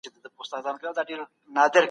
د سیاستپوهنې آرونه په عمومي ډول نه دي منل سوي.